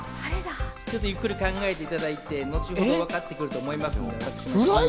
ゆっくり考えていただいて、後ほど分かってくると思います。